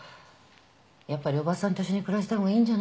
やっぱり叔母さんと一緒に暮らした方がいいんじゃないの？